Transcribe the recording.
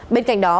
bên cạnh đó